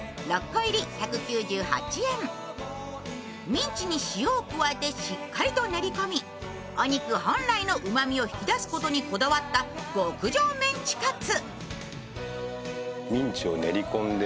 ミンチに塩を加えてしっかりと練り込みお肉本来のうまみを引き出すことにこだわった極上メンチカツ。